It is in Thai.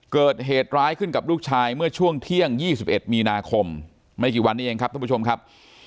เกิดเหตุร้ายขึ้นกับลูกชายเมื่อช่วงเที่ยง๒๑มีนาคมไม่กี่วันนี้เองครับท่านผู้ชมครับ